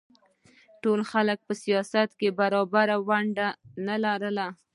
ټولو خلکو په سیاست کې برابره ونډه نه لرله